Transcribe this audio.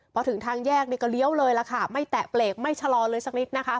พอถึงทางแยกนี่ก็เลี้ยวเลยล่ะค่ะไม่แตะเบรกไม่ชะลอเลยสักนิดนะคะ